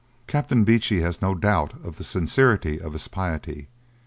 Captain Beechey has no doubt of the sincerity of his piety.